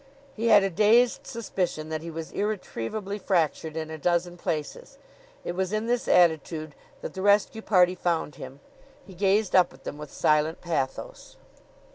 He had a dazed suspicion that he was irretrievably fractured in a dozen places. It was in this attitude that the rescue party found him. He gazed up at them with silent pathos.